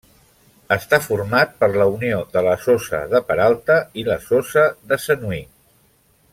Està format per la unió de la Sosa de Peralta i la Sosa de Sanui.